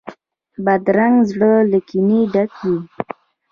بدرنګه زړه له کینې ډک وي